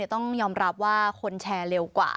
ต้องยอมรับว่าคนแชร์เร็วกว่า